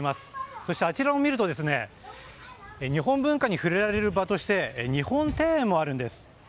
そしてあちらを見ると、日本文化に触れられる場として、日本庭園もあるんです。